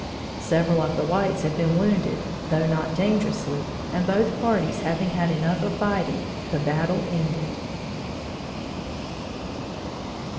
Several of the whites had been wounded though not dangerously, and both parties having had enough of fighting, the battle ended.